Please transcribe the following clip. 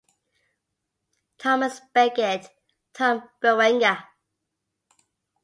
Thomas Beckett (Tom Berenger).